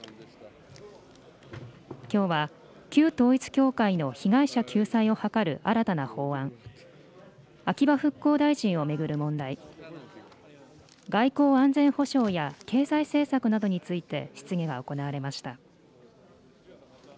きょうは旧統一教会の被害者救済を図る新たな法案、秋葉復興大臣を巡る問題、外交・安全保障や経済政策などについて、質疑が行われました。